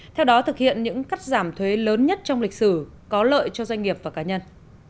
theo đó thực hiện những cắt giảm thuế lớn nhất trong lịch sử có lợi cho doanh nghiệp và cá nhân